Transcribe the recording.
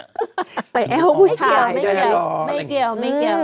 ไปแอ้วผู้ชายไม่เกี่ยวไม่เกี่ยวไม่เกี่ยว